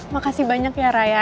makasih banyak ya raya